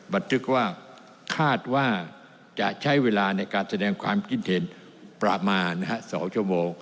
บันทึกว่าคาดว่าจะใช้เวลาในการแสดงความคิดเห็นประมาณ๒ชั่วโมง